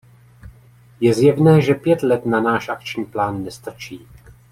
Je zjevné, že pět let na náš akční plán nestačí.